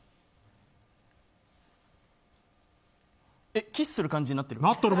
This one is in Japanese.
え、キスする感じになってる。